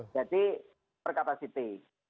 jadi per kapasiti